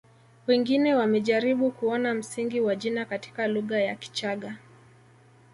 Wengine wamejaribu kuona msingi wa jina katika lugha ya Kichagga